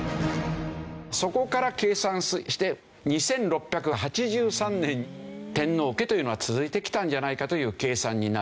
そこから計算して２６８３年天皇家というのは続いてきたんじゃないかという計算になる。